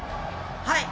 はい。